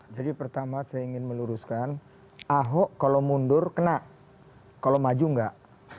jadi pertama saya ingin meluruskan ahok kalau mundur kena kalau maju enggak